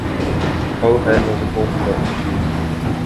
Cohen was an Orthodox Jew.